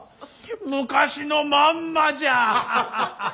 昔のまんまじゃ。